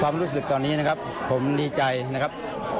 ความรู้สึกตอนนี้นะครับผมดีใจนะครับ